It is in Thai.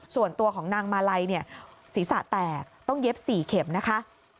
ส่วนตัวของนางมาลัยเนี่ยศีรษะแตกต้องเย็บ๔เข็มนะคะ